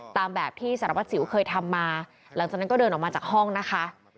ตามแบบที่สารวัสสิวเคยทำมาหลังจากนั้นก็เดินออกมาจากห้องนะคะ